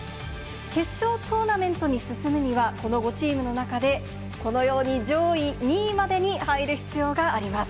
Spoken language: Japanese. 決勝トーナメントに進むには、この５チームの中で、このように上位２位までに入る必要があります。